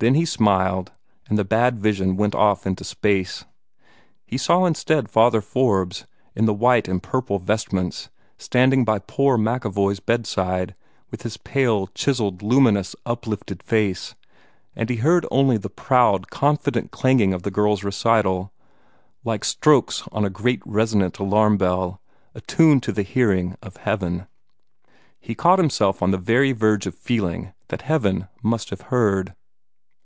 Then he smiled, and the bad vision went off into space. He saw instead Father Forbes, in the white and purple vestments, standing by poor MacEvoy's bedside, with his pale, chiselled, luminous, uplifted face, and he heard only the proud, confident clanging of the girl's recital, BEATUM MICHAELEM ARCHANGELUM, BEATUM JOANNEM BAPTISTAM, PETRUM ET PAULUM EM! AM! UM! like strokes on a great resonant alarm bell, attuned for the hearing of heaven. He caught himself on the very verge of feeling that heaven must have heard.